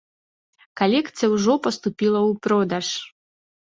Калекцыя ўжо паступіла ў продаж.